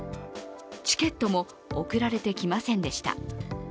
チケットも送られてきませんでした。